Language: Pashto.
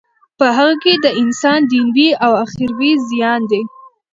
په هغه کی د انسان دینوی او اخروی زیان دی.